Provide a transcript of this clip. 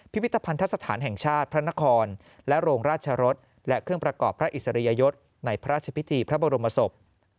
พิพิธภัณฑสถานแห่งชาติพระนครและโรงราชรสและเครื่องประกอบพระอิสริยยศในพระราชพิธีพระบรมศพ